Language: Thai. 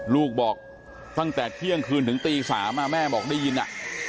ลูกบอกตั้งแต่เที่ยงคืนถึงตี๓แม่บอกได้ยินอ่ะ